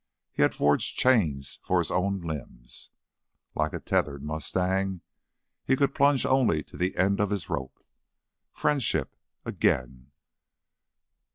He had forged chains for his own limbs. Like a tethered mustang he could plunge only to the end of his rope. Friendship, again!